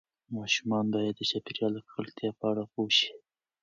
ماشومان باید د چاپیریال د ککړتیا په اړه پوه شي.